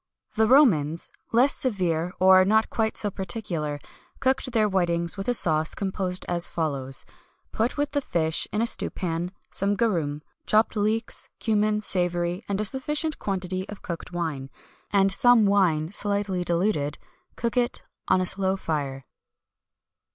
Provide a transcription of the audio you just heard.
[XXI 153] The Romans, less severe or not quite so particular, cooked their whitings with a sauce composed as follows: put with the fish, in a stewpan, some garum, chopped leeks, cummin, savory, and a sufficient quantity of cooked wine, and some wine slightly diluted; cook it on a slow fire.